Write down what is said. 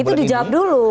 itu dijawab dulu